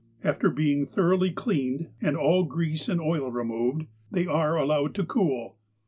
After being thoroughly cleaned, and all grease and oil removed, they are allowed to cool.